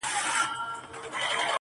مجبوره ته مه وايه، چي غښتلې.